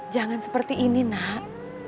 jangan seperti ini nak